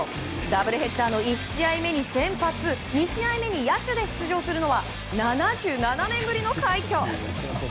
ダブルヘッダーの１試合目に先発２試合目に野手で出場するのは７７年ぶりの快挙。